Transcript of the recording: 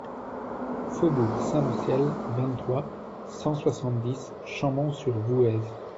Faubourg Saint-Martial, vingt-trois, cent soixante-dix Chambon-sur-Voueize